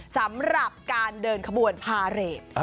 สำหรับการเดินขบวนพาเรท